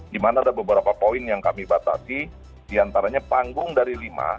di mana ada beberapa poin yang kami batasi diantaranya panggung dari lima